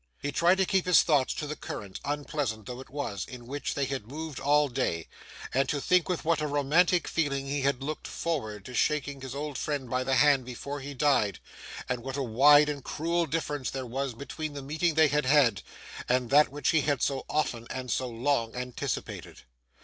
He tried to keep his thoughts to the current, unpleasant though it was, in which they had moved all day, and to think with what a romantic feeling he had looked forward to shaking his old friend by the hand before he died, and what a wide and cruel difference there was between the meeting they had had, and that which he had so often and so long anticipated.